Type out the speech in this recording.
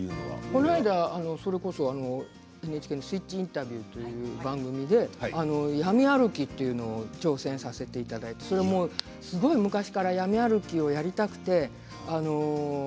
この間、それこそＮＨＫの「ＳＷＩＴＣＨインタビュー」という番組で闇歩きというのに挑戦させていただいてそれもすごい昔から闇歩きをやりたくて。